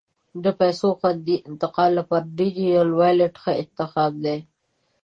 د پیسو خوندي انتقال لپاره ډیجیټل والېټ ښه انتخاب دی.